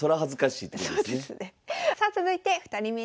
さあ続いて２人目です。